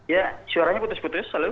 ya suaranya putus putus